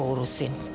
kalau kamu tengok deh